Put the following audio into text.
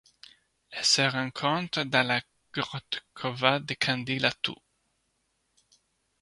Elle se rencontre dans la grotte Cova del Candil à Tous.